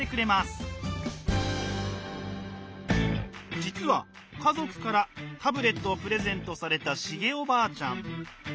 実は家族からタブレットをプレゼントされたシゲおばあちゃん。